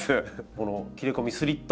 この切れ込みスリット。